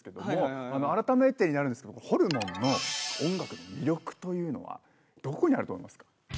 あらためてになるんですがホルモンの音楽の魅力というのはどこにあると思いますか？